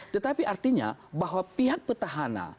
tetapi artinya bahwa pihak petahana